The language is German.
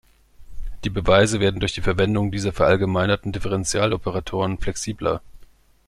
Die Beweise werden durch die Verwendung dieser verallgemeinerten Differentialoperatoren flexibler.